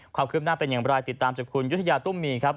ความคืบหน้าเป็นอย่างไรติดตามจากคุณยุธยาตุ้มมีครับ